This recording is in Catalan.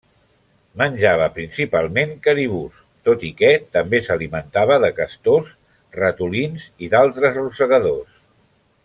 Menjava principalment caribús, tot i que també s'alimentava de castors, ratolins i d'altres rosegadors.